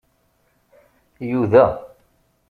Yuda